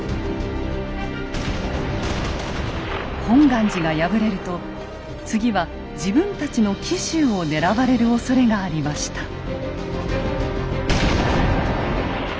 本願寺が敗れると次は自分たちの紀州を狙われるおそれがありました。